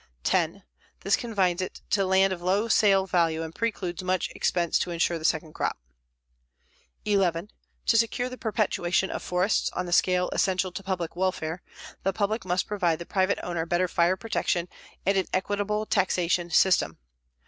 10. This confines it to land of low sale value and precludes much expense to insure the second crop. 11. To secure the perpetuation of forests on the scale essential to public welfare, the public must provide the private owner better fire protection and an equitable taxation system.